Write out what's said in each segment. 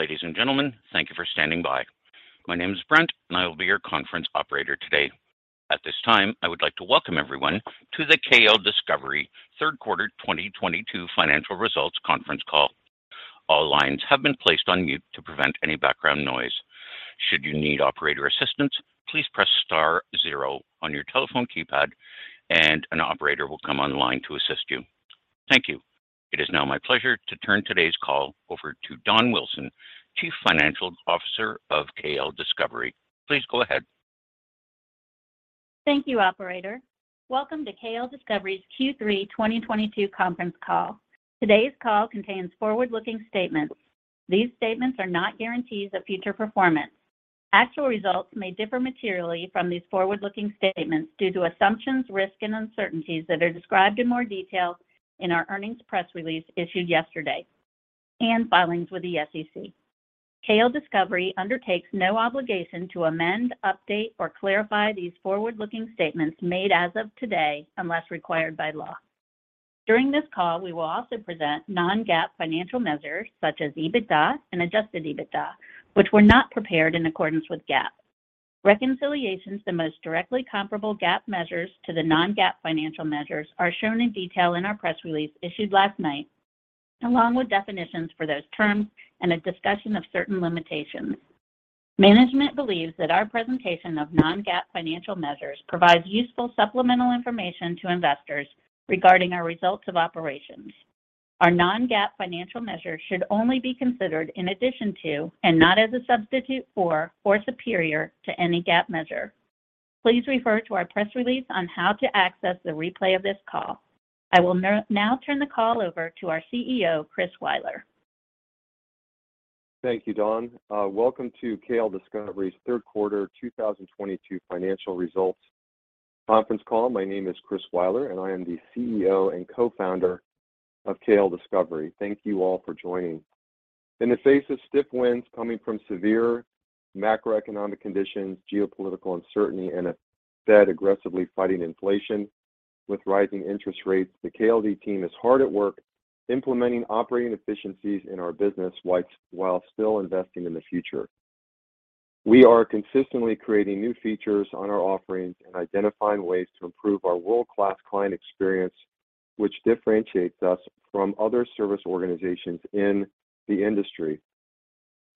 Ladies and gentlemen, thank you for standing by. My name is Brent, and I will be your conference operator today. At this time, I would like to welcome everyone to the KLDiscovery third quarter 2022 financial results conference call. All lines have been placed on mute to prevent any background noise. Should you need operator assistance, please press star zero on your telephone keypad and an operator will come online to assist you. Thank you. It is now my pleasure to turn today's call over to Dawn Wilson, Chief Financial Officer of KLDiscovery. Please go ahead. Thank you, operator. Welcome to KLDiscovery's Q3 2022 conference call. Today's call contains forward-looking statements. These statements are not guarantees of future performance. Actual results may differ materially from these forward-looking statements due to assumptions, risks, and uncertainties that are described in more detail in our earnings press release issued yesterday and filings with the SEC. KLDiscovery undertakes no obligation to amend, update, or clarify these forward-looking statements made as of today unless required by law. During this call, we will also present non-GAAP financial measures such as EBITDA and adjusted EBITDA, which were not prepared in accordance with GAAP. Reconciliations to the most directly comparable GAAP measures to the non-GAAP financial measures are shown in detail in our press release issued last night, along with definitions for those terms and a discussion of certain limitations. Management believes that our presentation of non-GAAP financial measures provides useful supplemental information to investors regarding our results of operations. Our non-GAAP financial measures should only be considered in addition to and not as a substitute for or superior to any GAAP measure. Please refer to our press release on how to access the replay of this call. I will now turn the call over to our CEO, Chris Weiler. Thank you, Dawn. Welcome to KLDiscovery's third quarter 2022 financial results conference call. My name is Chris Weiler, and I am the CEO and co-founder of KLDiscovery. Thank you all for joining. In the face of stiff winds coming from severe macroeconomic conditions, geopolitical uncertainty, and a Fed aggressively fighting inflation with rising interest rates, the KLD team is hard at work implementing operating efficiencies in our business while still investing in the future. We are consistently creating new features on our offerings and identifying ways to improve our world-class client experience, which differentiates us from other service organizations in the industry.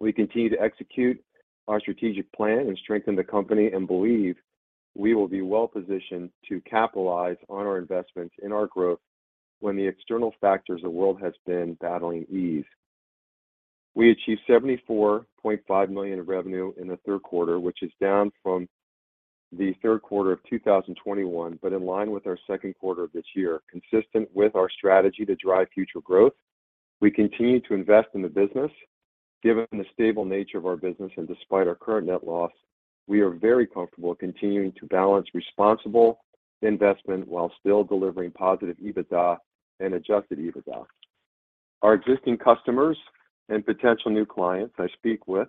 We continue to execute our strategic plan and strengthen the company and believe we will be well-positioned to capitalize on our investments in our growth when the external factors the world has been battling ease. We achieved $74.5 million in revenue in the third quarter, which is down from the third quarter of 2021, but in line with our second quarter of this year. Consistent with our strategy to drive future growth, we continue to invest in the business. Given the stable nature of our business and despite our current net loss, we are very comfortable continuing to balance responsible investment while still delivering positive EBITDA and Adjusted EBITDA. Our existing customers and potential new clients I speak with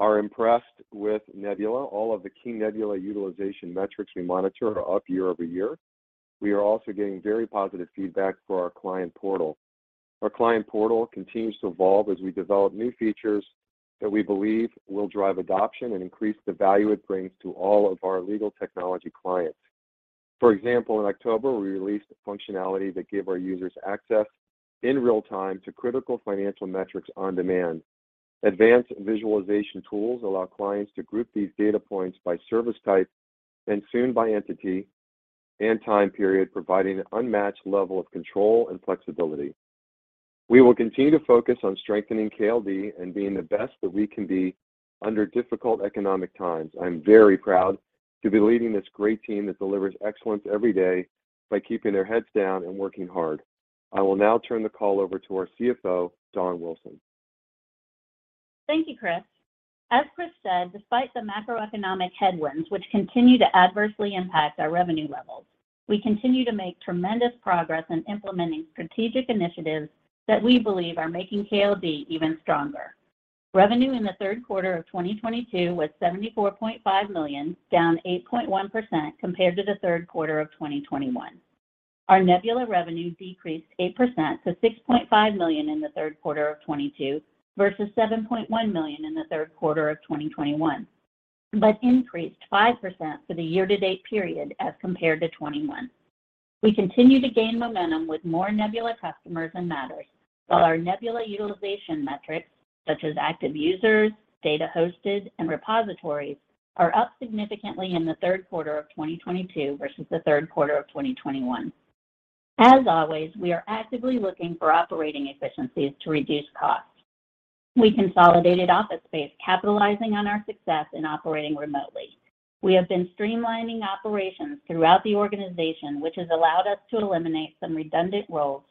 are impressed with Nebula. All of the key Nebula utilization metrics we monitor are up year-over-year. We are also getting very positive feedback for our Client Portal. Our Client Portal continues to evolve as we develop new features that we believe will drive adoption and increase the value it brings to all of our legal technology clients. For example, in October, we released a functionality that gave our users access in real time to critical financial metrics on demand. Advanced visualization tools allow clients to group these data points by service type and soon by entity and time period, providing unmatched level of control and flexibility. We will continue to focus on strengthening KLD and being the best that we can be under difficult economic times. I'm very proud to be leading this great team that delivers excellence every day by keeping their heads down and working hard. I will now turn the call over to our CFO, Dawn Wilson. Thank you, Chris. As Chris said, despite the macroeconomic headwinds, which continue to adversely impact our revenue levels, we continue to make tremendous progress in implementing strategic initiatives that we believe are making KLD even stronger. Revenue in the third quarter of 2022 was $74.5 million, down 8.1% compared to the third quarter of 2021. Our Nebula revenue decreased 8% to $6.5 million in the third quarter of 2022 versus $7.1 million in the third quarter of 2021 but increased 5% for the year-to-date period as compared to 2021. We continue to gain momentum with more Nebula customers and matters, while our Nebula utilization metrics, such as active users, data hosted, and repositories, are up significantly in the third quarter of 2022 versus the third quarter of 2021. As always, we are actively looking for operating efficiencies to reduce costs. We consolidated office space, capitalizing on our success in operating remotely. We have been streamlining operations throughout the organization, which has allowed us to eliminate some redundant roles.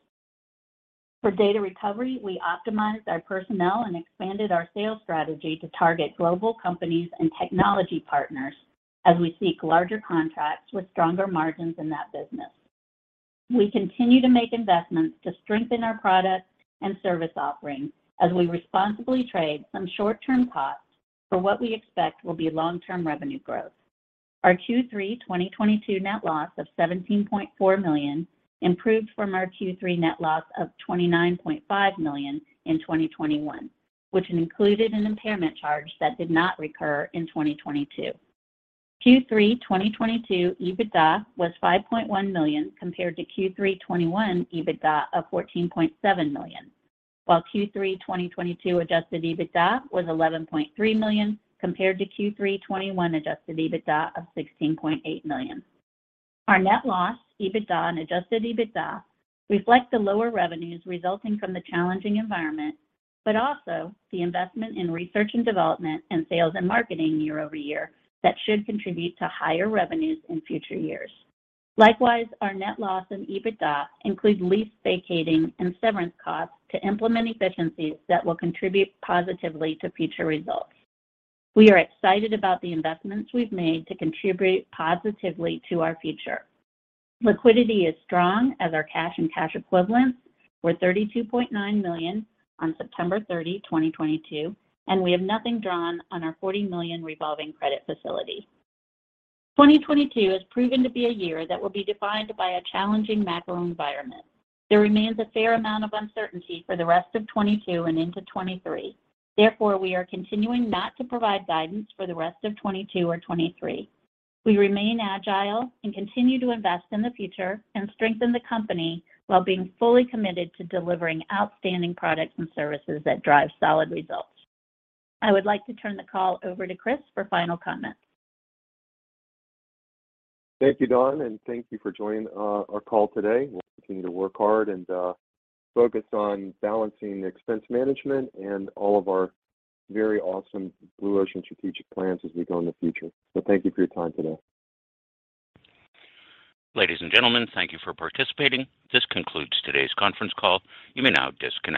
For data recovery, we optimized our personnel and expanded our sales strategy to target global companies and technology partners as we seek larger contracts with stronger margins in that business. We continue to make investments to strengthen our product and service offerings as we responsibly trade some short-term costs for what we expect will be long-term revenue growth. Our Q3 2022 net loss of $17.4 million improved from our Q3 net loss of $29.5 million in 2021, which included an impairment charge that did not recur in 2022. Q3 2022 EBITDA was $5.1 million compared to Q3 2021 EBITDA of $14.7 million. While Q3 2022 adjusted EBITDA was $11.3 million compared to Q3 2021 adjusted EBITDA of $16.8 million. Our net loss, EBITDA and adjusted EBITDA reflect the lower revenues resulting from the challenging environment, but also the investment in research and development and sales and marketing year-over-year that should contribute to higher revenues in future years. Likewise, our net loss and EBITDA include lease vacating and severance costs to implement efficiencies that will contribute positively to future results. We are excited about the investments we've made to contribute positively to our future. Liquidity is strong as our cash and cash equivalents were $32.9 million on September 30th, 2022, and we have nothing drawn on our $40 million revolving credit facility. 2022 has proven to be a year that will be defined by a challenging macro environment. There remains a fair amount of uncertainty for the rest of 2022 and into 2023. Therefore, we are continuing not to provide guidance for the rest of 2022 or 2023. We remain agile and continue to invest in the future and strengthen the company while being fully committed to delivering outstanding products and services that drive solid results. I would like to turn the call over to Chris for final comments. Thank you, Dawn, and thank you for joining our call today. We're continuing to work hard and focus on balancing expense management and all of our very awesome Blue Ocean strategic plans as we go in the future. Thank you for your time today. Ladies and gentlemen, thank you for participating. This concludes today's conference call. You may now disconnect.